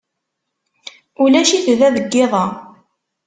Ulac-it da deg yiḍ-a.